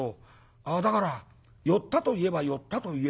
ああだから寄ったと言えば寄ったと言えるんでしょうね」。